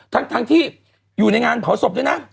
ทั้งที่อยู่ในงานเผาศพด้วยนะ